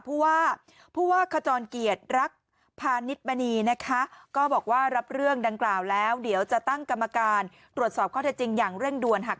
ผู้ว่าผู้ว่าขจรเกียรติรักพาณิชมณีนะคะก็บอกว่ารับเรื่องดังกล่าวแล้วเดี๋ยวจะตั้งกรรมการตรวจสอบข้อเท็จจริงอย่างเร่งด่วนหาก